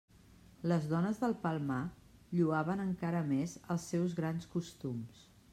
Les dones del Palmar lloaven encara més els seus sans costums.